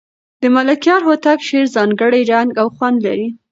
د ملکیار هوتک شعر ځانګړی رنګ او خوند لري.